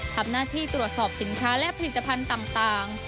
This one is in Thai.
ทำหน้าที่ตรวจสอบสินค้าและผลิตภัณฑ์ต่าง